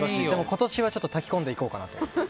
今年は炊き込んでいこうかなと。